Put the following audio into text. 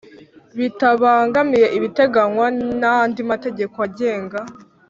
Bitabangamiye ibiteganywa n andi mategeko agenga